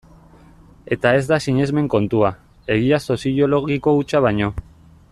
Eta ez da sinesmen kontua, egia soziologiko hutsa baino.